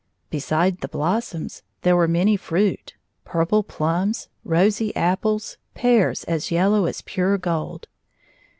Be side the blossoms, there were many fruit, purple plums, rosy apples, pears as yellow as pure gold.